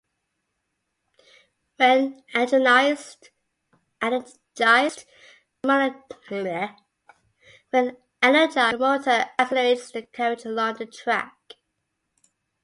When energized, the motor accelerates the carriage along the track.